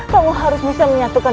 kamu harus bisa menyatukan